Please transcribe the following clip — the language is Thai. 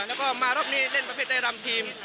แล้วก็มารอบนี้เล่นประเภทได้รำทีม